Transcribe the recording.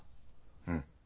うん。